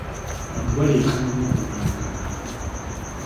Abantu baleekaana n'okulwanagana.